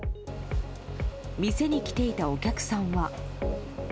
店に来ていたお客さんは。